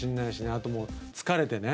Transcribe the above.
あともう疲れてね